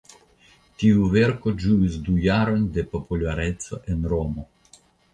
Tiu verko ĝuis du jarojn de populareco en Romo.